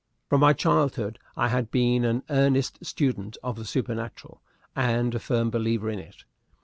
From my childhood I had been an earnest student of the supernatural, and a firm believer in it.